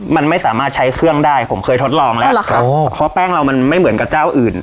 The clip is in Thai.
มันไม่สามารถใช้เครื่องได้ผมเคยทดลองแล้วเพราะแป้งเรามันไม่เหมือนกับเจ้าอื่น